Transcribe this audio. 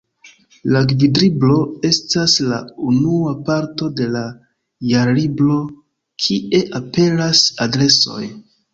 La „Gvidlibro” estas la unua parto de la Jarlibro, kie aperas adresoj.